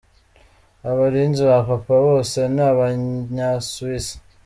Abarinzi ba Papa bose ni abanya Swisse